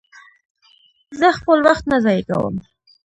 زه خپل وخت نه ضایع کوم.